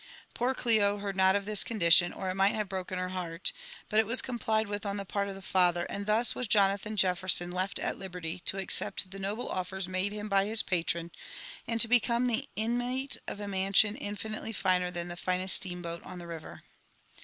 Poor Clio heard not of this condition, or it might have broken her heart ; but it was complied with on the part of Che father, and thus was Jonathan Jefferson left at liberty to accept the noble ofifers made htm by bis patron, and to become the inmate of a mansion infinitely finer than the finest steam boat on the river.